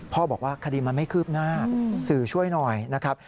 บอกว่าคดีมันไม่คืบหน้าสื่อช่วยหน่อยนะครับ